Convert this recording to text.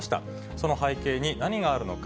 その背景に何があるのか。